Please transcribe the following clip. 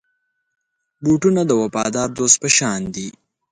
بوټونه د وفادار دوست په شان دي.